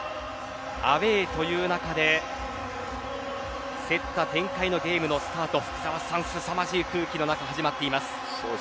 アウェーという中で競った展開のゲームのスタート福澤さん、すさまじい空気の中始まっています。